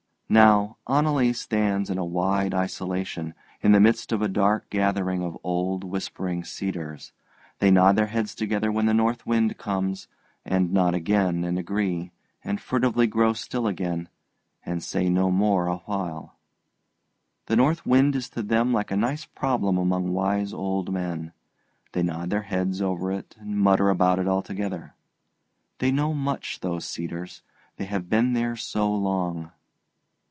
Now Oneleigh stands in a wide isolation, in the midst of a dark gathering of old whispering cedars. They nod their heads together when the North Wind comes, and nod again and agree, and furtively grow still again, and say no more awhile. The North Wind is to them like a nice problem among wise old men; they nod their heads over it, and mutter about it all together. They know much, those cedars, they have been there so long.